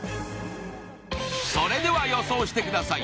それでは予想してください。